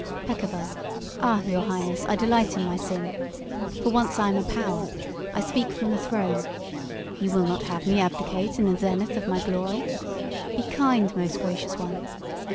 "Peccavi. Ah, Your Highness, I delight in my sin. For once I am a power; I speak from the throne. You will not have me abdicate in the zenith of my glory? Be kind, most gracious one.